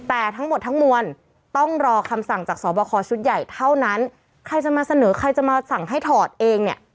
แต่ทั้งหมดทั้งมวลต้องรอคำสั่งจากสอบคอชุดใหญ่เท่านั้นใครจะมาเสนอใครจะมาสั่งให้ถอดเองเนี่ย